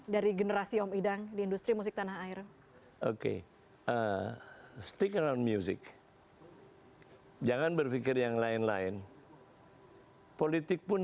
pesan apa yang ingin om idang bagikan kepada musisi musisi yang akan meneruskan